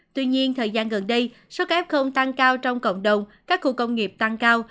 tuy nhiên thời gian gần đây số ca ép không tăng cao trong cộng đồng các khu công nghiệp tăng cao